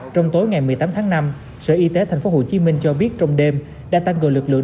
trong tối ngày một mươi tám tháng năm sở y tế tp hcm cho biết trong đêm đã tăng cường lực lượng